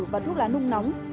và thuốc lá nung nóng